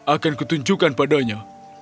akan kutunjukkan padanya